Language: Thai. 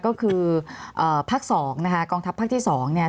ก็คืออ่าภาคสองนะคะกองทัพภาคที่สองเนี่ย